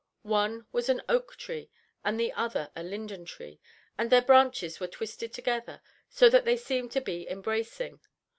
One was an oak tree and the other a linden tree, and their branches were twisted together so that they seemed to be embracing.